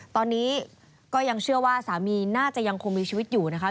ตอนนี้ก็ยังเชื่อว่าสามีน่าจะยังคงมีชีวิตอยู่นะคะ